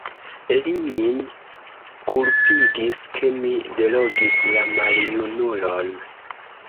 Li min kulpigis, ke mi delogis la maljunulon.